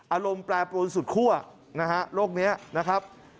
อารมณ์แปรปรวนสุดคั่วนะฮะโรคนี้นะครับ